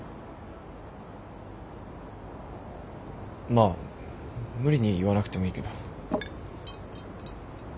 まあ無理に言わなくてもいいけど。